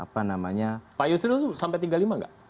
pak yusril itu sampai tiga puluh lima nggak